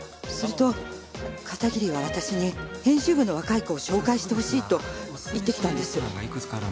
すると片桐は私に編集部の若い子を紹介してほしいと言ってきたんですよ。